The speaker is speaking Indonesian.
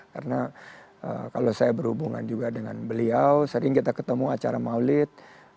karena kalau saya berhubungan juga dengan beliau sering kita ketemu acara maulid